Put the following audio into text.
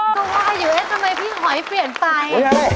ตัวอยู่เอ๊ะทำไมพี่หอยเปลี่ยนไป